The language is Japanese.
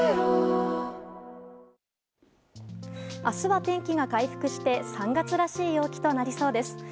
明日は天気が回復して３月らしい陽気となりそうです。